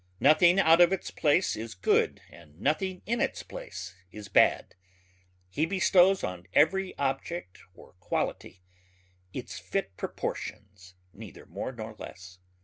Nothing out of its place is good and nothing in its place is bad. He bestows on every object or quality its fit proportions neither more nor less.